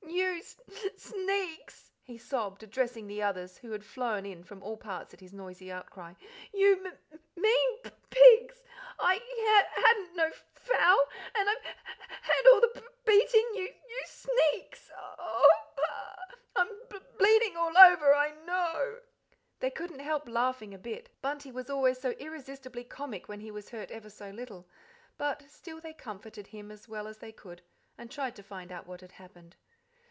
"You sn n n n neaks!" he sobbed, addressing the others, who had flown from all parts at his noisy outcry, "you m m mean p p p pigs! I h hadn't n n no fo o ow l, and I've h h had all the b b b beating! y you s s sn n neaks! oh h h h! ah h h h! oh h h h! oh h h h! I'm b b bleeding all over, I kno o o ow!" They couldn't help laughing a bit; Bunty was always so irresistibly comic when he was hurt ever so little; but still they comforted him as well as they could, and tried to find out what had happened.